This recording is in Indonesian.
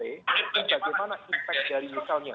bagaimana impact dari misalnya